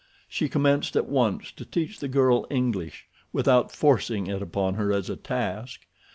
She commenced at once to teach the girl English without forcing it upon her as a task.